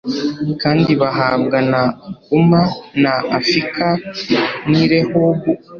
kandi bahabwa na Uma na Afika n i Rehobu